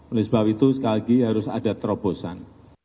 oleh sebab itu sekali lagi harus ada terobosan